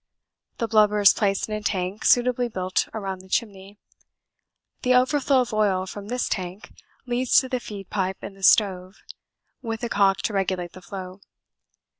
The blubber is placed in a tank suitably built around the chimney; the overflow of oil from this tank leads to the feed pipe in the stove, with a cock to regulate the flow.